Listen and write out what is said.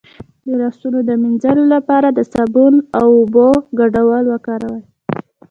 د لاسونو د مینځلو لپاره د صابون او اوبو ګډول وکاروئ